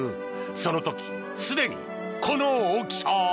その時、すでにこの大きさ。